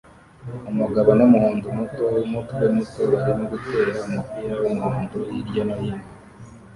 umugabo numuhondo muto wumutwe muto barimo gutera umupira wumuhondo hirya no hino